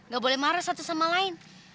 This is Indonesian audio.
gak boleh marah satu sama lain